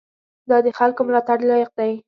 دا د خلکو ملاتړ لایق دی.